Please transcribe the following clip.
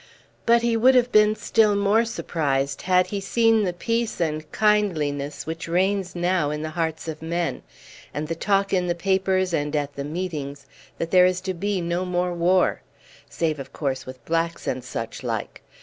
But he would have been still more surprised had he seen the peace and kindliness which reigns now in the hearts of men, and the talk in the papers and at the meetings that there is to be no more war save, of course, with blacks and such like.